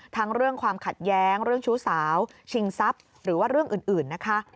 ทั้งเรื่องความขัดแย้งเรื่องชู้สาวชิงทรัพย์หรือว่าเรื่องอื่นนะคะ